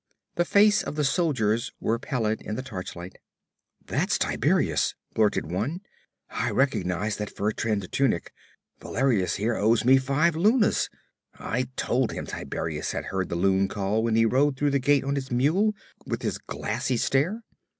The face of the soldiers were pallid in the torchlight. 'That's Tiberias,' blurted one. 'I recognize that fur trimmed tunic. Valerius here owes me five lunas. I told him Tiberias had heard the loon call when he rode through the gate on his mule, with his glassy stare.